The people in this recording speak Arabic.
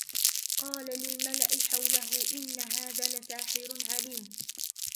قال للملإ حوله إن هذا لساحر عليم